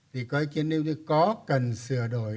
thì có ý kiến như có cần sửa đổi